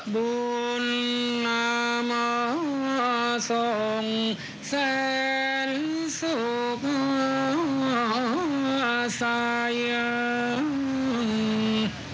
บุญมาส่งแสนสุขสายง